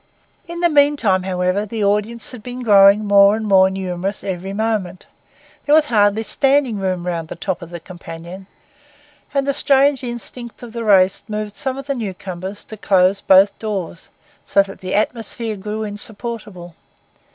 In the meantime, however, the audience had been growing more and more numerous every moment; there was hardly standing room round the top of the companion; and the strange instinct of the race moved some of the newcomers to close both the doors, so that the atmosphere grew insupportable.